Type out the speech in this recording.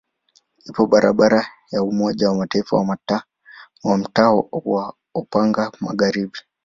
Ipo barabara ya Umoja wa Mataifa mtaa wa Upanga Magharibi.